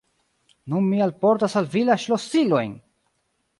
Nun mi alportas al vi la ŝlosilojn!